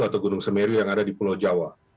atau gunung semeru yang ada di pulau jawa